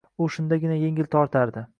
U shundagina yengil tortardi.